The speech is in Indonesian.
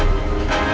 aku akan menjaga dia